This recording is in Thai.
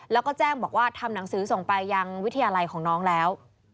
แล้วก็แจ้งบอกว่าทำหนังสือส่งไปยังวิทยาลัยของน้องแล้ว